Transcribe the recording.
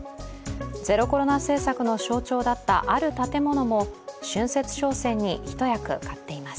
ゼロコロナ政策の象徴だったある建物も春節商戦に一役買っています。